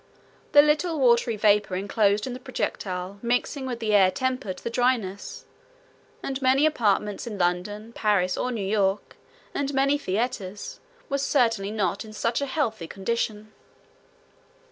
The little watery vapor enclosed in the projectile mixing with the air tempered the dryness; and many apartments in London, Paris, or New York, and many theaters, were certainly not in such a healthy condition.